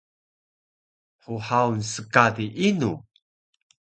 hhaun skadi inu?